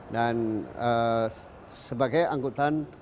dan sebagai angkutan